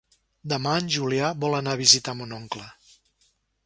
Demà en Julià vol anar a visitar mon oncle.